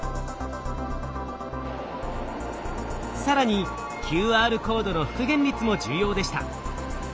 更にＱＲコードの復元率も重要でした。